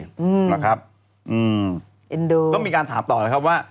ต้องมีการถามต่อนะครับว่า